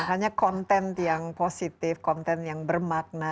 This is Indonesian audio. hanya konten yang positif konten yang bermakna